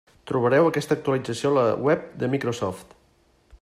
Trobareu aquesta actualització a la web de Microsoft.